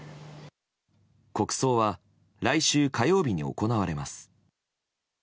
国葬は来週火曜日に行われます。